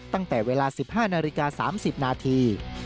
ตั้งแต่เวลา๑๕นาฬิกา๓๐นาที